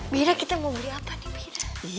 bira kita mau beli apa nih bira